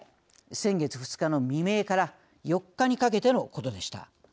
先月２日の未明から４日にかけてのことでした。